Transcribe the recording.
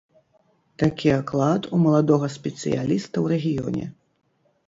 Такі аклад у маладога спецыяліста ў рэгіёне.